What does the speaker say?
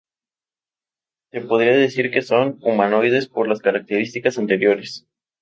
Se podría decir que son humanoides, por las características anteriores.